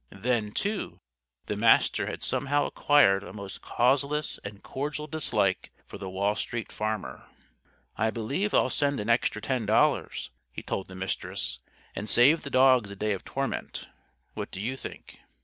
Then, too, the Master had somehow acquired a most causeless and cordial dislike for the Wall Street Farmer. "I believe I'll send an extra ten dollars," he told the Mistress, "and save the dogs a day of torment. What do you think?"